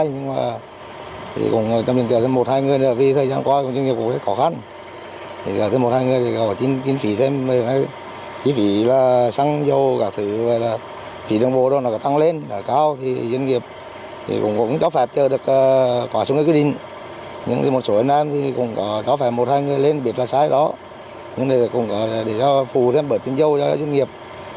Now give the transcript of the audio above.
nhưng đây cũng là để phù giam bởi tình dâu cho doanh nghiệp